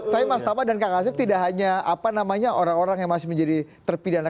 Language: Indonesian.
tapi mas tama dan kang asep tidak hanya apa namanya orang orang yang masih menjadi terpidana